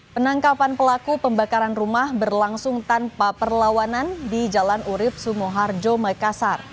penangkapan pelaku pembakaran rumah berlangsung tanpa perlawanan di jalan urib sumoharjo makassar